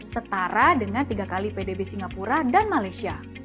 setara dengan tiga kali pdb singapura dan malaysia